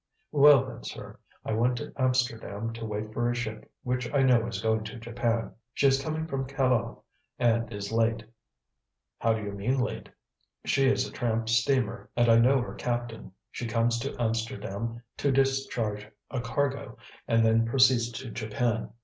Well, then, sir, I went to Amsterdam to wait for a ship which I know is going to Japan. She is coming from Callao and is late." "How do you mean late?" "She is a tramp steamer, and I know her captain. She comes to Amsterdam to discharge a cargo, and then proceeds to Japan.